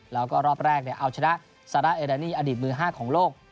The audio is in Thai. แล้วก็รอบแรกเอาชนะซาร่าเอดานี่อดีตมือ๕ของโลก